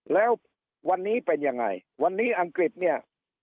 แล้ววันนี้เป็นยังไงวันนี้อังกฤษเนี่ย